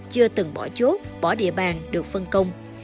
chưa từng bỏ chốt bỏ địa bàn được phân công